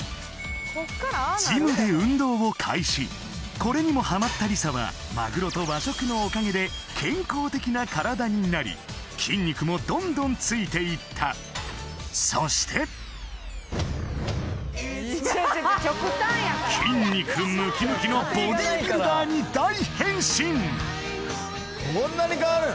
これにもハマッたリサはマグロと和食のおかげで健康的な体になり筋肉もどんどんついていったそして筋肉ムキムキのボディビルダーに大変身